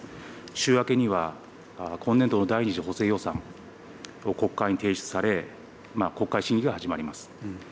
週明けには、今年度の第２次補正予算を国会に提出され、国会審議が始まります。